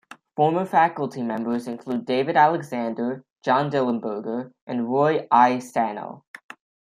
Former faculty members include David Alexander, John Dillenberger, and Roy I. Sano.